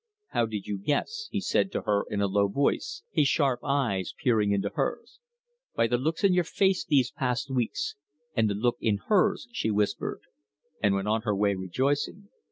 "How did you guess?" he said to her in a low voice, his sharp eyes peering into hers. "By the looks in y're face these past weeks, and the look in hers," she whispered, and went on her way rejoicing.